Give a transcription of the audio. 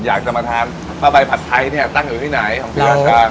อยากจะมาทานผ้าใบผัดไทยเนี่ยตั้งอยู่ที่ไหนของศรีราชา